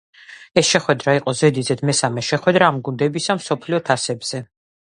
ეს შეხვედრა იყო ზედიზედ მესამე შეხვედრა ამ გუნდებისა მსოფლიო თასებზე.